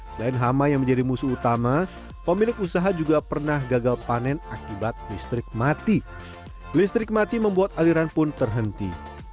selain hama yang menjadi musuh utama pemilik usaha juga pernah gagal panen akibat listrik mati listrik mati membuat aliran pun terhenti